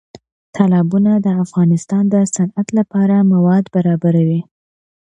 تالابونه د افغانستان د صنعت لپاره مواد برابروي.